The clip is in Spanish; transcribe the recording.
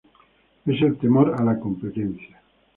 Es el temor a la competencia.